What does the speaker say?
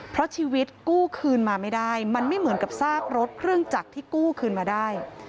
เพราะชีวิตกู้คืนมาไม่ได้มันไม่เหมือนกับซากรถเครื่องจักรที่กู้คืนมาได้